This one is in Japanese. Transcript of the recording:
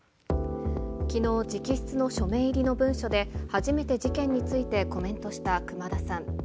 きのう、直筆の署名入りの文書で、初めて事件についてコメントした熊田さん。